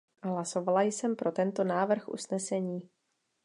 Hlasovala jsem pro tento návrh usnesení.